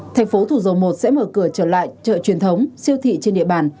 thành phố thủ dầu một sẽ mở cửa trở lại chợ truyền thống siêu thị trên địa bàn